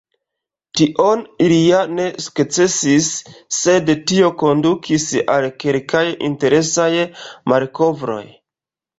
Tion ili ja ne sukcesis, sed tio kondukis al kelkaj interesaj malkovroj.